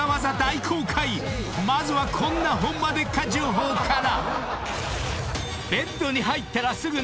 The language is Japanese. ［まずはこんなホンマでっか⁉情報から］